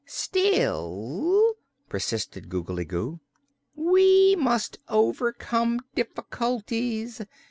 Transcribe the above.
"Still," persisted Googly Goo, "we must overcome difficulties.